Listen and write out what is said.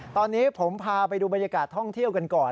ตอนนี้ผมพาไปดูบรรยากาศท่องเที่ยวกันก่อน